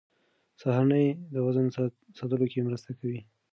سهارنۍ د وزن ساتلو کې مرسته کوي.